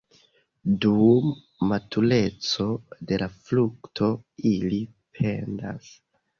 Dum matureco de la frukto ili pendas.